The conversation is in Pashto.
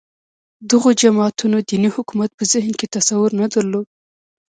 دغو جماعتونو دیني حکومت په ذهن کې تصور نه درلود